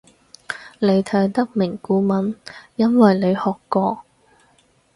你睇得明古文因為你學過